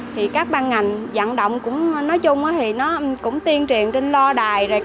thì các ban ngành vận động nói chung thì nó cũng tiên triền trên lo đài